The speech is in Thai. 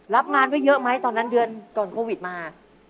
รับงานไว้เยอะไหมตอนนั้นเดือนก่อนโควิดมา